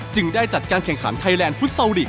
ได้จัดการแข่งขันไทยแลนด์ฟุตซอลลีก